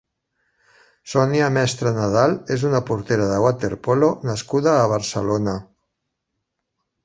Sònia Mestre Nadal és una portera de waterpolo nascuda a Barcelona.